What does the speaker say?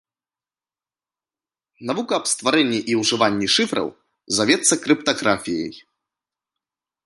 Навука аб стварэнні і ўжыванні шыфраў завецца крыптаграфіяй.